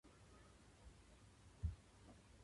北海道旅行したい。